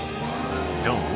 「どう？